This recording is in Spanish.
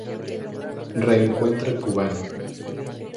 Reencuentro cubano".